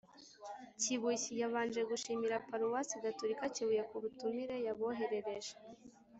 kibuye, yabanje gushimira paruwasi gatolika kibuye ku butumire yaboherereje.